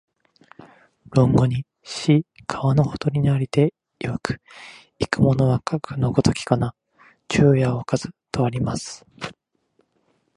論語に、「子、川のほとりに在りていわく、逝く者はかくの如きかな、昼夜をおかず」とあります